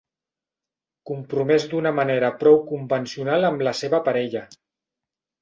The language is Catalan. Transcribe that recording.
Compromès d'una manera prou convencional amb la seva parella.